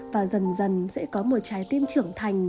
và dần dần sẽ có một trái tim trưởng thành